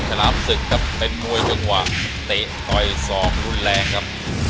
ถรามศึกก็เป็นมวยจังหวะเตะต่อยส่องรุนแรงครับ